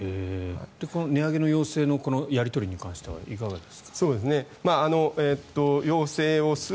この値上げの要請のやり取りに関してはいかがですか。